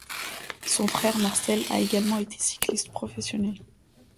Son frère Marcel a également été cycliste professionnel.